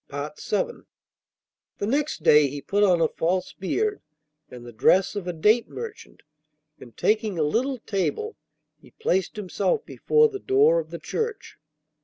VIII The next day he put on a false beard and the dress of a date merchant, and, taking a little table, he placed himself before the door of the church.